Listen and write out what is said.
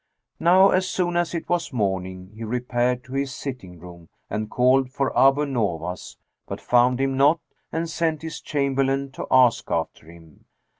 Now as soon as it was morning, he repaired to his sitting room and called for Abu Nowas, but found him not and sent his chamberlain to ask after him.